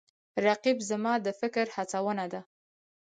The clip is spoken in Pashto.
رقیب زما د فکر هڅونه ده